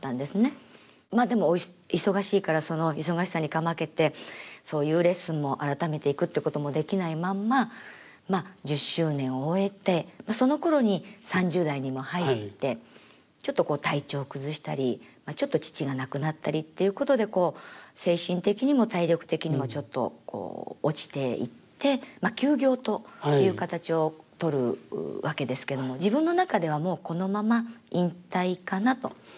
でも忙しいからその忙しさにかまけてそういうレッスンも改めて行くということもできないまんま１０周年を終えてそのころに３０代にも入ってちょっと体調崩したりちょっと父が亡くなったりっていうことで精神的にも体力的にもちょっと落ちていって休業という形をとるわけですけども自分の中ではもうこのまま引退かなと思っては。